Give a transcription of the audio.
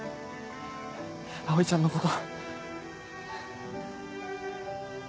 葵ちゃんのこと。